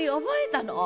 覚えた！